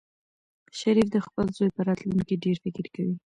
شریف د خپل زوی په راتلونکي ډېر فکر کوي.